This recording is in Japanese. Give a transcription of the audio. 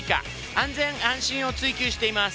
安全安心を追求しています。